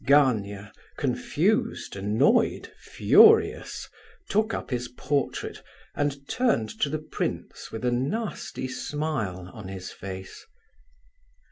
Gania—confused, annoyed, furious—took up his portrait, and turned to the prince with a nasty smile on his face.